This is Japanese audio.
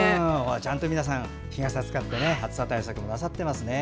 ちゃんと皆さん日傘を使って暑さ対策なさっていますね。